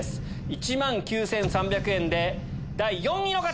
１万９３００円で第４位の方！